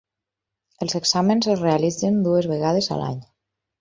Els exàmens es realitzen dues vegades a l'any.